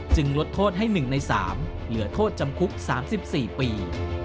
ลดโทษให้๑ใน๓เหลือโทษจำคุก๓๔ปี